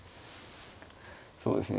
そうですね